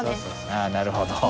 ああなるほど。